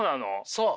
そう！